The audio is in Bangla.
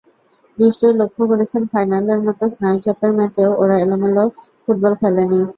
নিশ্চয়ই লক্ষ করেছেন, ফাইনালের মতো স্নায়ুচাপের ম্যাচেও ওরা এলোমেলো ফুটবল খেলেনি।